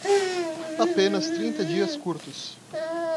Apenas trinta dias curtos.